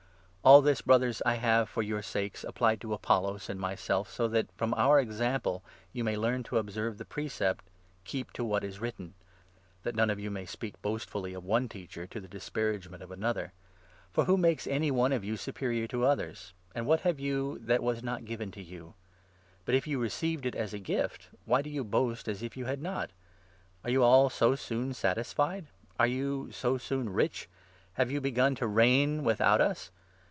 All this, Brothers, I have, for your sakes, applied to Apollos 6 and myself, so that, from our example, you may learn to observe the precept —' Keep to what is written,' that none of you may speak boastfully of one teacher to the disparagement of another. For who makes any one of you superior to others? 7 And what have you that was not given you ? But if you received it as a gift, why do yon boast as if you had not ? Are 8 you all so soon satisfied ? Are you so soon rich ? Have you begun to reign without us